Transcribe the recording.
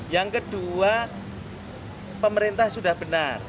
yang kedua pemerintah sudah benar